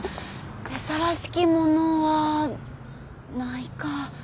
餌らしきものはないか。